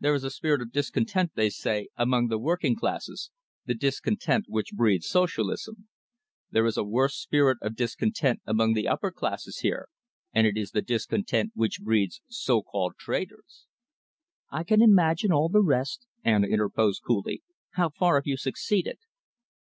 There is a spirit of discontent, they say, among the working classes, the discontent which breeds socialism. There is a worse spirit of discontent among the upper classes here, and it is the discontent which breeds so called traitors." "I can imagine all the rest," Anna interposed coolly. "How far have you succeeded?"